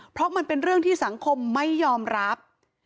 เพราะมันเป็นเรื่องที่สังคมไม่ยอมรับ